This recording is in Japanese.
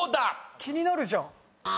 気になるじゃん。